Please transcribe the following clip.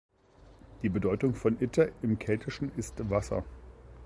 Die Bedeutung von Itter im Keltischen ist Wasser.